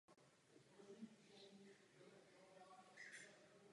Později byl ředitelem uměleckého oddělení.